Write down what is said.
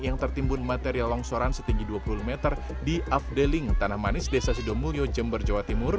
yang tertimbun material longsoran setinggi dua puluh meter di afdeling tanah manis desa sidomulyo jember jawa timur